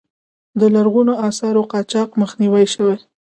د لرغونو آثارو قاچاق مخنیوی شوی؟